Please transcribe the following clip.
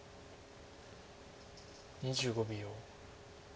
２５秒。